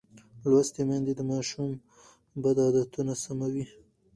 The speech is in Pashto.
لوستې میندې د ماشوم بد عادتونه سموي.